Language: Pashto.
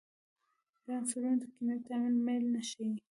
دا عنصرونه د کیمیاوي تعامل میل نه ښیي.